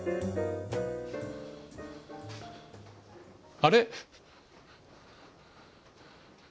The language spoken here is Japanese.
あれ？